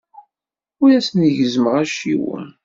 Ur asen-gezzmeɣ acciwen.